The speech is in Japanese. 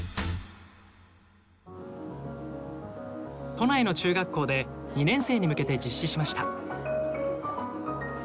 都内の中学校で２年生に向けて実施しました。